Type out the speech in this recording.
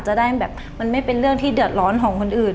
จะได้แบบมันไม่เป็นเรื่องที่เดือดร้อนของคนอื่น